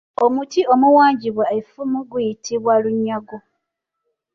Omuti omuwangibwa effumu guyitibwa lunyago.